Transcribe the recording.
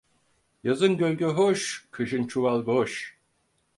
Yazın gölge hoş, kışın çuval boş.